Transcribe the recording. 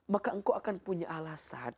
maka engkau akan punya alasan